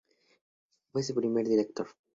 Fue su primer Director.